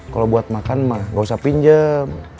kalau buat makan mah gak usah pinjam